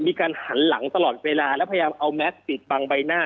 มีการหันหลังตลอดเวลาแล้วพยายามเอาแมสปิดบังใบหน้า